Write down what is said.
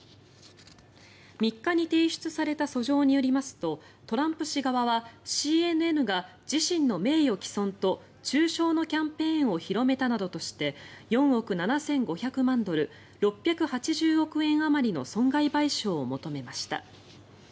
３日に提出された訴状によりますとトランプ氏側はＣＮＮが自身の名誉毀損と中傷のキャンペーンを広めたなどとして４億７５００万ドル６８０億円あまりの損害賠償を求めました。